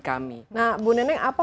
kami nah bu neneng apa